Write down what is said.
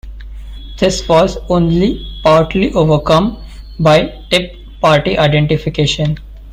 This was only partly overcome by Tip Party Identification.